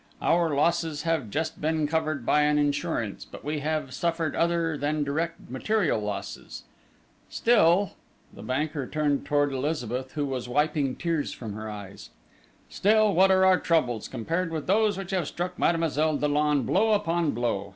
Our losses have just been covered by an insurance, but we have suffered other than direct material losses. Still" the banker turned towards Elizabeth, who was wiping tears from her eyes "still, what are our troubles compared with those which have struck Mademoiselle Dollon blow upon blow?